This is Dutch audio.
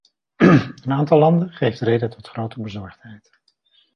Een aantal landen geeft reden tot grote bezorgdheid.